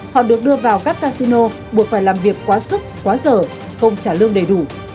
họ được đưa vào các casino buộc phải làm việc quá sức quá dở không trả lương đầy đủ